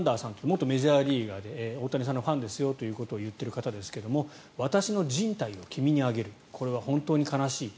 元メジャーリーガーで大谷さんのファンですよと言っている方ですが私のじん帯を君にあげるこれは本当に悲しい。